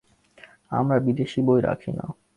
আমরা বিদেশি বই রাখি না।